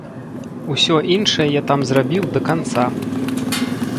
Усё іншае я там зрабіў да канца.